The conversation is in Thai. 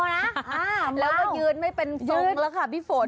อ้าเพราะยืนไม่เป็นทรงเล่าน่ะค่ะพี่ฝน